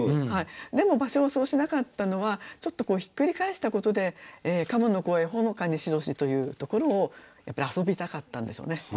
でも芭蕉はそうしなかったのはちょっとひっくり返したことで「鴨の声ほのかに白し」というところをやっぱり遊びたかったんでしょうね。